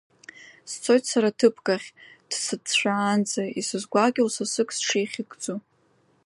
Сцоит сара ҭыԥкахь, дсыцәцаанӡа, исызгәакьоу сасык сҽихьыгӡо.